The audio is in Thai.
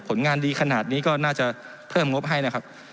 ผลงานดีขนาดนี้ก็น่าจะเพิ่มงบให้นะครับ